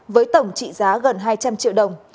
với tổng trị giá gần hai trăm linh triệu đồng